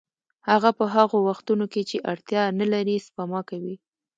هغه په هغو وختونو کې چې اړتیا نلري سپما کوي